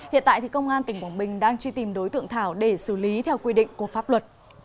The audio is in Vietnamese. hiện tại thì công an tỉnh quảng bình đang truy tìm đối tượng thảo để xử lý theo quy định của pháp luật